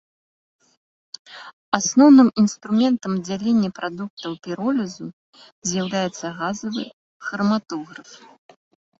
Асноўным інструментам дзялення прадуктаў піролізу з'яўляецца газавы храматограф.